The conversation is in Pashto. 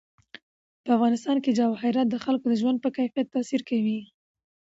په افغانستان کې جواهرات د خلکو د ژوند په کیفیت تاثیر کوي.